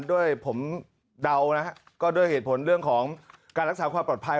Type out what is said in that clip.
ด้วยผมเดานะฮะก็ด้วยเหตุผลเรื่องของการรักษาความปลอดภัย